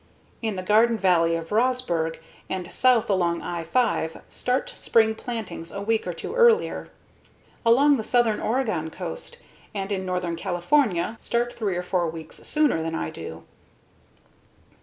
In the Garden Valley of Roseburg and south along I 5, start spring plantings a week or two earlier. Along the southern Oregon coast and in northern California, start three or four weeks sooner than I do.